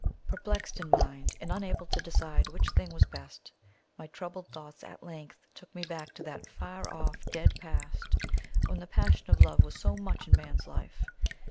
Perplexed in mind and unable to decide which thing was best, my troubled thoughts at length took me back to that far off dead past, when the passion of love was so much in man's life.